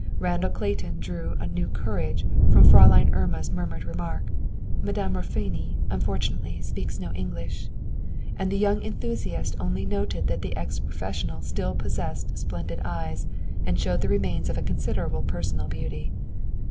Randall Clayton drew a new courage from Fräulein Irma's murmured remark, "Madame Raffoni, unfortunately, speaks no English," and the young enthusiast only noted that the ex professional still possessed splendid eyes, and showed the remains of a considerable personal beauty.